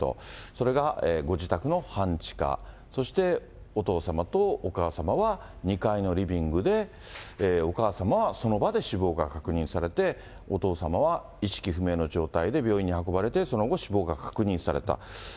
それがご自宅の半地下、そしてお父様とお母様は、２階のリビングで、お母様はその場で死亡が確認されて、お父様は意識不明の状態で病院に運ばれて、その後、死亡が確認された。